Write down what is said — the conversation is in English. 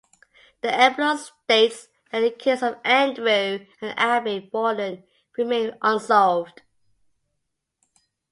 The epilogue states that the killings of Andrew and Abby Borden remain unsolved.